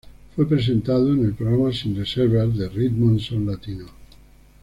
Fue presentado en el programa Sin reservas de Ritmoson Latino.